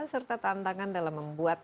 serta tantangan dalam membuat